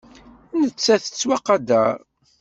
Nettat tettwaqadar.